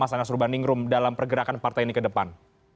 mas anas urbaningrum dalam pergerakan partai ini ke depan